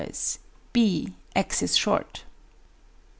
b, axis short.